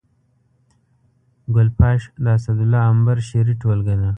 ګل پاش د اسدالله امبر شعري ټولګه ده